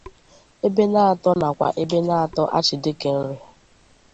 Ebenatọr' nakwa 'Ebenator Archdeaconry